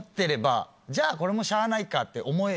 「じゃあこれもしゃあないか」って思える。